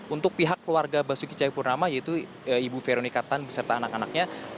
untuk pihak keluarga basuki cahayapurnama yaitu ibu veronika tan beserta anak anaknya